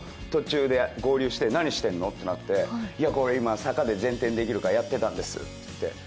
ふぉゆも途中で合流して「何してんの」ってなってこれ今、坂で前転できるかやってたんですって。